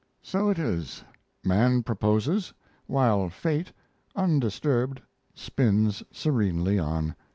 So it is: man proposes, while fate, undisturbed, spins serenely on.